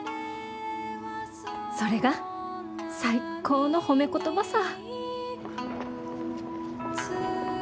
それが最高の褒め言葉さ。